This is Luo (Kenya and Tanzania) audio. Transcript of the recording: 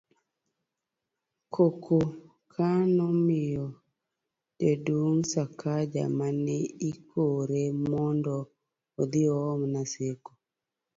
koko ka nomiyo Jaduong' Sakaja ma ne ikore mondo odhi oom Naseko